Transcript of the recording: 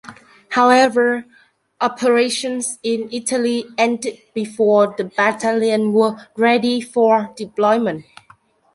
However, operations in Italy ended before the battalion was ready for deployment.